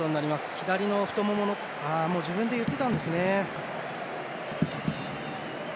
左の太もものところ自分で言ってたんですね。